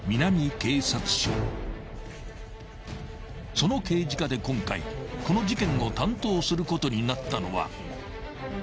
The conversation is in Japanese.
［その刑事課で今回この事件を担当することになったのは］